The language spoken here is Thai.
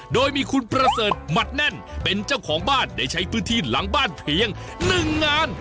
โดยมีคุณประเสริฐหมัดแน่นเป็นเจ้าของบ้านได้ใช้พื้นที่หลังบ้านเพียง๑งาน